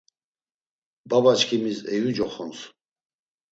Babaçkimis Eyu coxons.